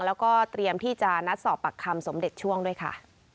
แล้วก็เตรียมที่จะนัดสอบปากคำสมเด็จช่วงด้วยค่ะ